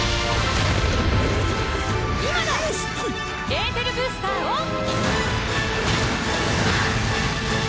エーテルブースターオン！